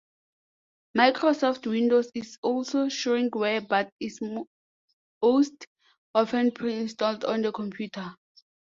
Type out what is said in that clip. Microsoft Windows is also shrinkware, but is most often pre-installed on the computer.